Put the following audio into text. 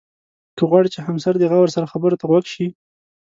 که غواړې چې همسر دې غور سره خبرو ته غوږ شي.